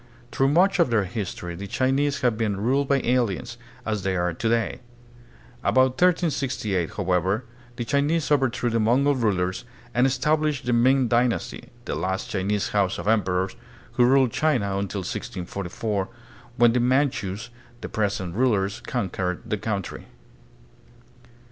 Through much of their history the Chinese have been ruled by aliens, as they are to day. About 1368, however, the Chinese overthrew the Mongol rulers and established the Ming dynasty, the last Chinese house of emperors, who ruled China until 1644, when the Man chus, the present rulers, conquered the country.